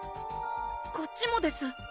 こっちもです